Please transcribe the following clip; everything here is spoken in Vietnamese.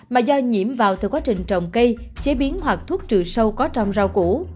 mà do nhiễm vào từ quá trình trồng cây chế biến hoặc thuốc trừ sâu có trong rau củ